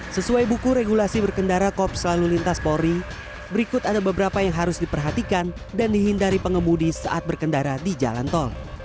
sesuai buku regulasi berkendara kops lalu lintas polri berikut ada beberapa yang harus diperhatikan dan dihindari pengemudi saat berkendara di jalan tol